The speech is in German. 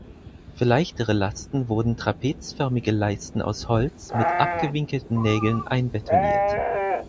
Für leichtere Lasten wurden trapezförmige Leisten aus Holz mit abgewinkelten Nägeln einbetoniert.